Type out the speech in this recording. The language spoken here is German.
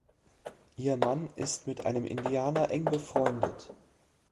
Ihr Mann ist mit einem Indianer eng befreundet.